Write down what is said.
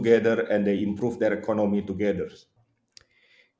dan mereka memperbaiki ekonomi mereka bersama